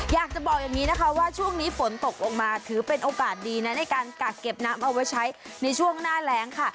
อยากจะบอกอย่างนี้นะคะว่าช่วงนี้ฝนตกลงมาถือเป็นโอกาสดีนะในการกักเก็บน้ำเอาไว้ใช้ในช่วงหน้าแรงค่ะ